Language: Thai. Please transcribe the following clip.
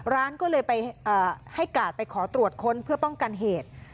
ร้านก็เลยไปให้กาดไปขอตรวจค้นเพื่อป้องกันเหตุ